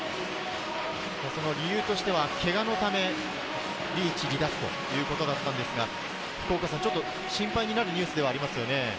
その理由としてはけがのため、リーチ離脱ということだったんですが、ちょっと心配になるニュースではありますね。